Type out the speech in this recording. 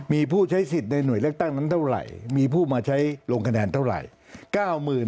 มีผู้ใช้สิทธิ์ในหน่วยเลือกตั้งนั้นเท่าไหร่มีผู้มาใช้ลงคะแนนเท่าไหร่